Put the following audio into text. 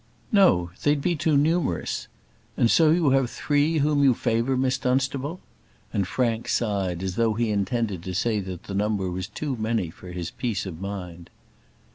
"No, they'd be too numerous. And so you have three whom you favour, Miss Dunstable;" and Frank sighed, as though he intended to say that the number was too many for his peace of mind.